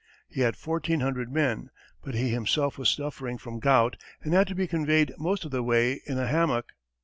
He had fourteen hundred men, but he himself was suffering with gout and had to be conveyed most of the way in a hammock.